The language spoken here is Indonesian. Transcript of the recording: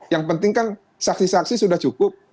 yang penting kan saksi saksi sudah cukup